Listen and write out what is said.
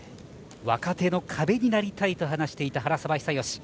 若手の壁になりたいと話していた原沢久喜。